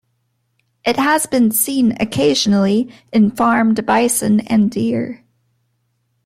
It has been seen occasionally in farmed bison and deer.